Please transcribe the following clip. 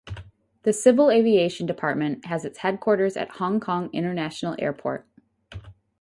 The Civil Aviation Department has its headquarters at Hong Kong International Airport.